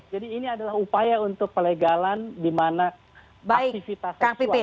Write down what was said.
jadi ini adalah upaya untuk pelegalan di mana aktivitas seksual